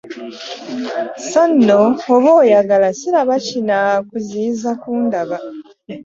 Sso nno oba oyagala siraba kinaakuziyiza kundaba.